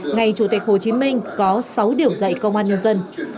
ngày chủ tịch hồ chí minh có sáu điểm dạy công an nhân dân